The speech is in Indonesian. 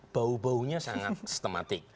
bau baunya sangat sistematik